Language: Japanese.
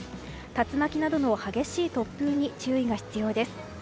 竜巻などの激しい突風に注意が必要です。